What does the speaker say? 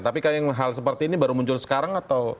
tapi hal seperti ini baru muncul sekarang atau